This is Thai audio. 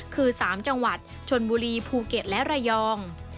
คือ๓จังหวัดชนบุรีภูเก็ตและระยอง